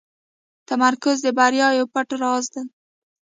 تمرکز د بریا یو پټ راز دی.